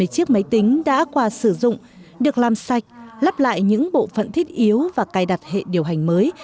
bảy mươi chiếc máy tính đã qua sử dụng được làm sạch lắp lại những bộ phận thiết yếu và cài đặt hệ điều hành mới